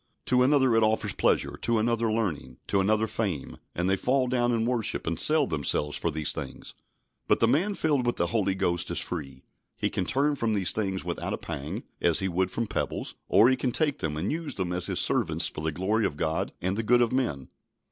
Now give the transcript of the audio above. To another it offers pleasure; to another learning; to another fame, and they fall down and worship, and sell themselves for these things. But the man filled with the Holy Ghost is free. He can turn from these things without a pang, as he would from pebbles; or, he can take them and use them as his servants for the glory of God and the good of men.